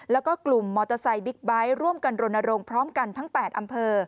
แล้วก็กลุ่มมอเตอร์ไซค์บิ๊กไบท์ร่วมกันรณรงค์พร้อมกันทั้ง๘อำเภอ